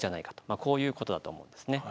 まあこういうことだと思うんですね。